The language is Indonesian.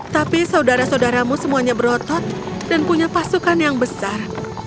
tapi saudara saudaramu semuanya berotot dan punya pasukan yang besar